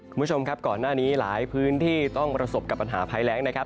คุณผู้ชมครับก่อนหน้านี้หลายพื้นที่ต้องประสบกับปัญหาภัยแรงนะครับ